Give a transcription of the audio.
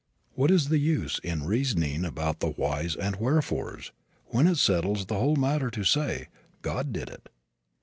What is the use in reasoning about the "whys and wherefores" when it settles the whole matter to say: "God did it"?